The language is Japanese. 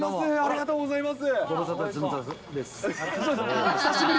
ありがとうございます。